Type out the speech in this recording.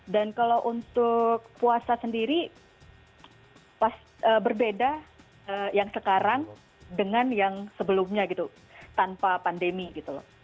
dan kalau untuk puasa sendiri berbeda yang sekarang dengan yang sebelumnya gitu tanpa pandemi gitu loh